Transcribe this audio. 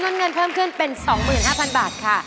เงินเพิ่มขึ้นเป็น๒๕๐๐บาทค่ะ